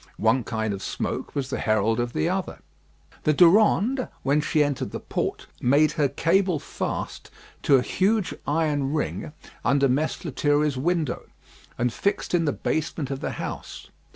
One kind of smoke was the herald of the other. The Durande, when she entered the port, made her cable fast to a huge iron ring under Mess Lethierry's window, and fixed in the basement of the house.